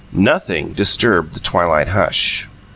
Nothing disturbed the twilight hush.